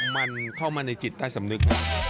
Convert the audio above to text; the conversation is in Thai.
มันเข้ามาในจิตใต้สำนึก